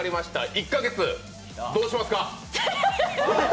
１か月、どうしますか。